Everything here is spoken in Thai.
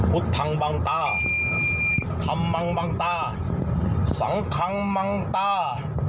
พุทธพังบางตาธรรมมังบางตาสังคังมังตา